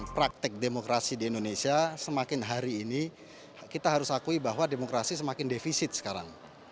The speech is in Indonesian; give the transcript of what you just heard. praktek demokrasi di indonesia semakin hari ini kita harus akui bahwa demokrasi semakin defisit sekarang